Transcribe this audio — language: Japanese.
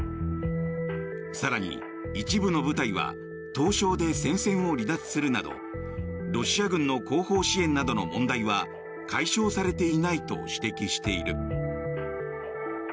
更に、一部の部隊は凍傷で戦線を離脱するなどロシア軍の後方支援などの問題は解消されていないと指摘している。